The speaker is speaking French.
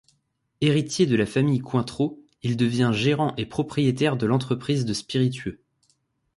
Héritier de la famille Cointreau, il devient gérant et propriétaire de l'entreprise de spiritueux.